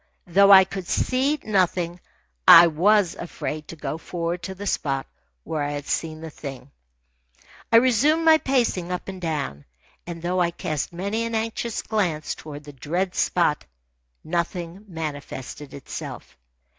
Though I could see nothing, I was afraid to go for'ard to the spot where I had seen the thing. I resumed my pacing up and down, and though I cast many an anxious glance toward the dread spot, nothing manifested itself.